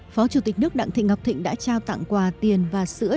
phó chủ tịch nước đặng thị ngọc thịnh đã trao tặng quà tiền và sữa